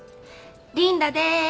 リンダです。